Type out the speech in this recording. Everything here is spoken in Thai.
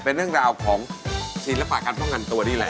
เป็นเรื่องราวของศิลปะการป้องกันตัวนี่แหละ